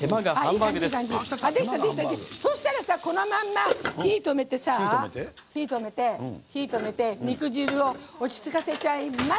そしたら、このまま火を止めて肉汁を落ち着かせちゃいます。